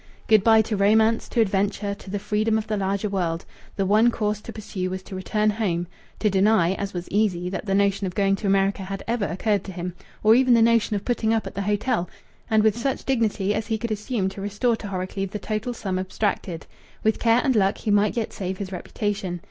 Good bye to romance, to adventure, to the freedom of the larger world! The one course to pursue was to return home, to deny (as was easy) that the notion of going to America had ever occurred to him, or even the notion of putting up at the hotel, and with such dignity as he could assume to restore to Horrocleave the total sum abstracted. With care and luck he might yet save his reputation.